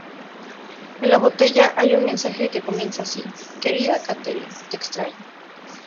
En la botella hay un mensaje que comienza así: "Querida Catherine, te extraño".